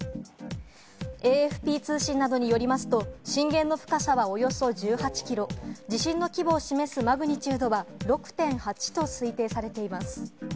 ＡＦＰ通信などによりますと、震源の深さはおよそ１８キロ、地震の規模を示すマグニチュードは６．８と推定されています。